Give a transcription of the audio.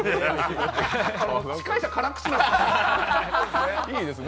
司会者、辛口ですね。